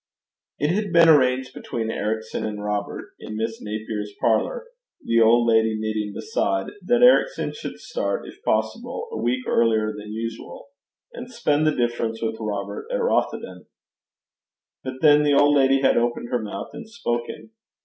It had been arranged between Ericson and Robert, in Miss Napier's parlour, the old lady knitting beside, that Ericson should start, if possible, a week earlier than usual, and spend the difference with Robert at Rothieden. But then the old lady had opened her mouth and spoken.